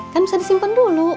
kan bisa disimpan dulu